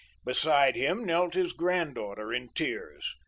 Beside him knelt his granddaughter in tears.